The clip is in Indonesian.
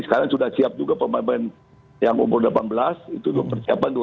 sekarang sudah siap juga pemain pemain yang umur delapan belas itu untuk persiapan dua ribu dua puluh tiga